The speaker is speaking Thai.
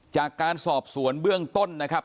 จากการสอบสวนเบื้องต้นนะครับ